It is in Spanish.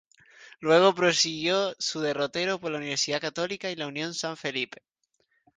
Luego prosiguió su derrotero por Universidad Católica y Unión San Felipe.